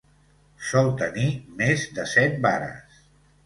Sol tenir més de set vares.